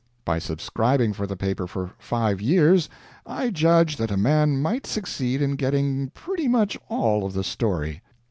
By subscribing for the paper for five years I judge that a man might succeed in getting pretty much all of the story.